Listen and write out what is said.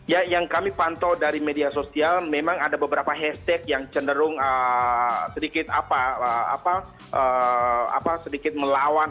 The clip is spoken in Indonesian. ya yang kami pantau dari media sosial memang ada beberapa hashtag yang cenderung sedikit melawan